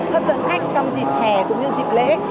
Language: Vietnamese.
hấp dẫn khách trong dịp hè cũng như dịp lễ